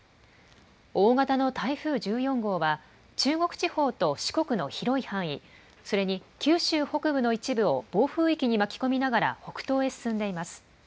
大型の台風１４号は、中国地方と四国の広い範囲、それに九州北部の一部を暴風域に巻き込みながら北東へ進んでいます。